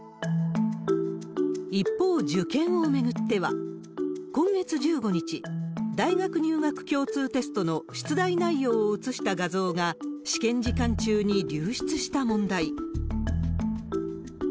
一方、受験を巡っては、今月１５日、大学入学共通テストの出題内容を写した画像が、試験時間中に流出した問題。